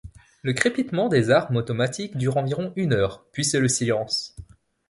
Le crépitement des armes automatiques dure environ une heure, puis c’est le silence.